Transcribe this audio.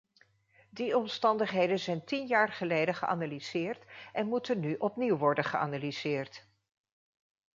Die omstandigheden zijn tien jaar geleden geanalyseerd en moeten nu opnieuw worden geanalyseerd.